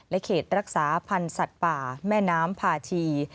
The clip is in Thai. เขตรักษาพันธ์สัตว์ป่าแม่น้ำพาชี